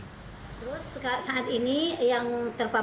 terus saat ini yang terpapar